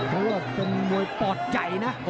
เป็นมวยปลอดใจนะ